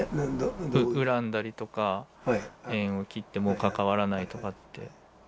恨んだりとか縁を切ってもう関わらないとかって。